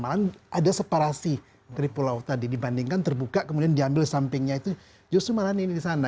malahan ada separasi dari pulau tadi dibandingkan terbuka kemudian diambil sampingnya itu justru malah ini di sana